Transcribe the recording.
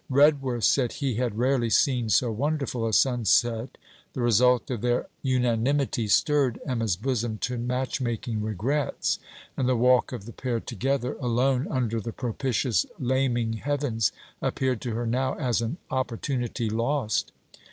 Redworth said he had rarely seen so wonderful a sunset. The result of their unanimity stirred Emma's bosom to match making regrets; and the walk of the pair together, alone under the propitious laming heavens, appeared to her now as an opportunity lost.